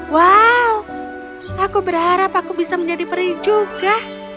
wow aku berharap aku bisa menjadi peri juga